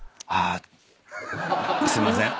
すいません。